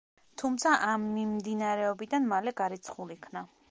თუმცა ამ მიმდინარეობიდან მალე გარიცხულ იქნა.